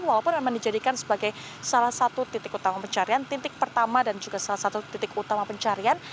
walaupun memang dijadikan sebagai salah satu titik utama pencarian titik pertama dan juga salah satu titik utama pencarian